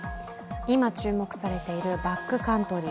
今、注目されているバックカントリー。